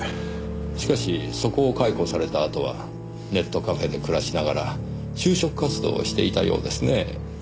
しかしそこを解雇されたあとはネットカフェで暮らしながら就職活動をしていたようですね。